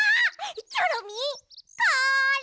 チョロミーこれ！